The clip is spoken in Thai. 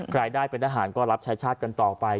ใครได้เป็นทหารก็รับใช้ชาติกันต่อไป